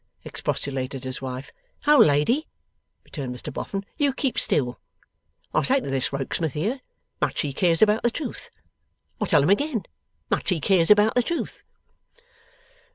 expostulated his wife. 'Old lady,' returned Mr Boffin, 'you keep still. I say to this Rokesmith here, much he cares about the truth. I tell him again, much he cares about the truth.